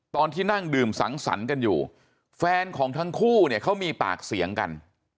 ตอนที่นั่งดื่มสังสรรค์กันอยู่แฟนของทั้งคู่เนี่ยเขามีปากเสียงกัน